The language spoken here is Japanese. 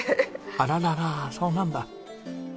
あらららそうなんだ。